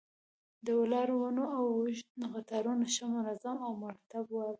د ولاړو ونو اوږد قطارونه ښه منظم او مرتب ول.